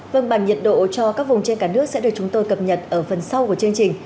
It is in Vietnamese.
vâng bản nhiệt độ cho các vùng trên cả nước sẽ được chúng tôi cập nhật ở phần sau của chương trình